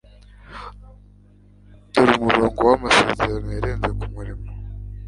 dore umurongo wamasezerano yarenze kumurimo